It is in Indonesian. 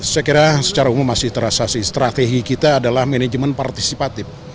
saya kira secara umum masih terasa sih strategi kita adalah manajemen partisipatif